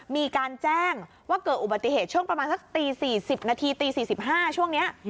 มีการแจ้งว่าเกิดอุบัติเหตุช่วงประมาณสักตี๔๐นาทีตี๔๕ช่วงนี้